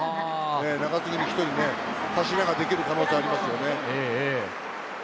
中継ぎに１人ね、柱ができる可能性がありますよね。